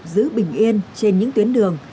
giữ bình yên trên những tuyến đường